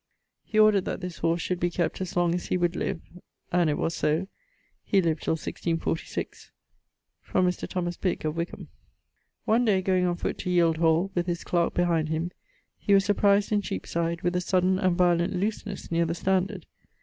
He ordered that this horse should be kept as long as he would live, and it was so he lived till 1646: from Mr. Thomas Bigge, of Wicham. One day goeing on foote to Yield hall, with his clarke behind him, he was surprised in Cheapside with a sudden and violent looseness neer the Standard.